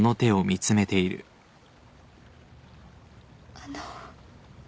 あの。